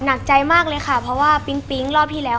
หนักใจมากเลยค่ะเพราะว่าปิ๊งปิ๊งรอบที่แล้ว